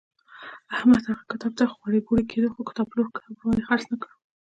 احمد هغه کتاب ته خوړی بوړی کېدو خو کتابپلور کتاب ورباندې خرڅ نه کړ.